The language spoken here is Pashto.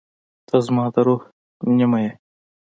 • ته زما د روح نیمه یې.